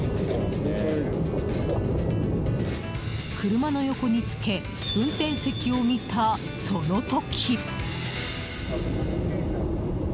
車の横につけ運転席を見た、その時。